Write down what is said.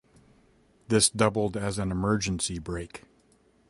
This doubled as an emergency brake.